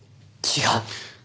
違う！